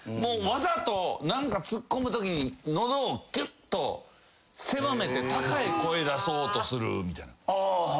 わざと何かツッコむときに喉をぎゅっと狭めて高い声出そうとするみたいな。